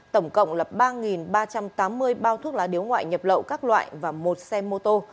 tổng cộng là ba ba trăm tám mươi bao thuốc lá điếu ngoại nhập lậu các loại và một xe mô tô